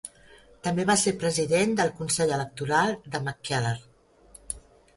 També va ser President del Consell Electoral de Mackellar.